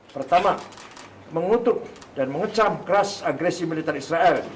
pertama mengutuk dan mengecam keras agresi militer israel